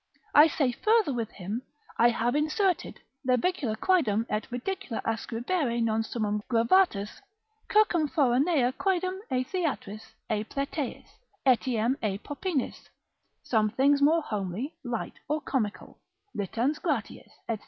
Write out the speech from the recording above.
I say further with him yet, I have inserted (levicula quaedam et ridicula ascribere non sum gravatus, circumforanea quaedam e theatris, e plateis, etiam e popinis) some things more homely, light, or comical, litans gratiis, &c.